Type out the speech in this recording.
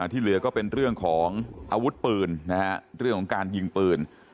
ที่เหลือก็เป็นเรื่องของอาวุธปืนเรื่องของการยิงปืน